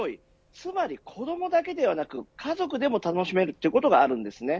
つまり子どもだけではなく家族でも楽しめるということがあります。